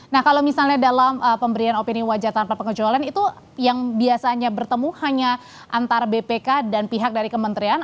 nah kalau misalnya dalam pemberian opini wajah tanpa pengecualian itu yang biasanya bertemu hanya antara bpk dan pihak dari kementerian